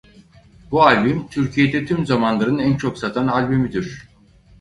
Bu albüm Türkiye'de tüm zamanların en çok satan albümüdür.